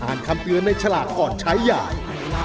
อ่านคำเตือนในฉลากก่อนใช้อย่าง